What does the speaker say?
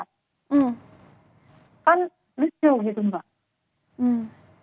kan lucu gitu mbak